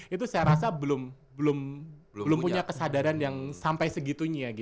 itu saya rasa belum punya kesadaran yang sampai segitunya